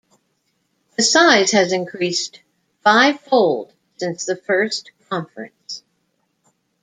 The size has increased fivefold since the first conference.